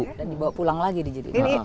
dan dibawa pulang lagi di jadinya